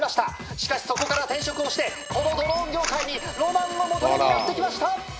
しかしそこから転職をしてこのドローン業界にロマンを求めにやって来ました！